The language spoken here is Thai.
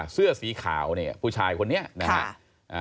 เสื้อสีขาวเนี่ยผู้ชายคนนี้นะฮะ